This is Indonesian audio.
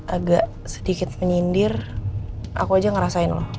agak sedikit menyindir aku aja ngerasain loh